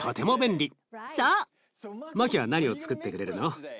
マキは何をつくってくれるの？